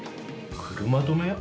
車止め？